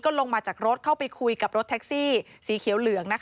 ลงมาจากรถเข้าไปคุยกับรถแท็กซี่สีเขียวเหลือง